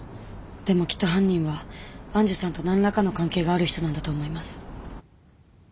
でもきっと犯人は愛珠さんと何らかの関係がある人なんだと思います。